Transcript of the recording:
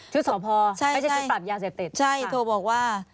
ชุดสอบพอไม่ใช่ชุดปรับยาเสียเต็ดใช่ค่ะใช่โทรบอกว่า